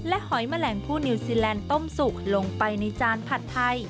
หอยแมลงผู้นิวซีแลนด์ต้มสุกลงไปในจานผัดไทย